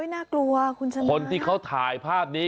น่ากลัวคุณชนะคนที่เขาถ่ายภาพนี้